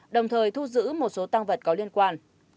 đồng thời thu giữ một số tăng vật có liên quan